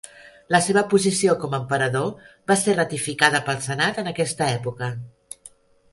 La seva posició com a emperador va ser ratificada pel Senat en aquesta època.